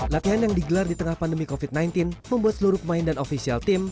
latihan yang digelar di tengah pandemi covid sembilan belas membuat seluruh pemain dan ofisial tim